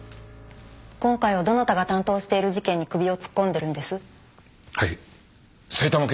今回はどなたが担当している事件に首を突っ込んでるんです？